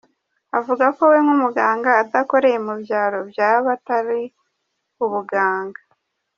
Avuga yuko we nk’umuganga adakoreye mu byaro byaba ari atari ubuganga !